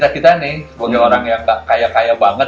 kita nih sebagai orang yang gak kaya kaya banget